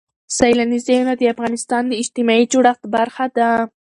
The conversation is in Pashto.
سیلانی ځایونه د افغانستان د اجتماعي جوړښت برخه ده.